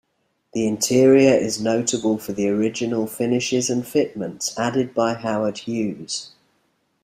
The interior is notable for the original finishes and fitments added by Howard Hughes.